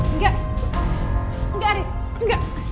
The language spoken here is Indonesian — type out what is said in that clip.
enggak enggak haris enggak